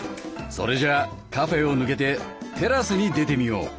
それじゃあカフェを抜けてテラスに出てみよう！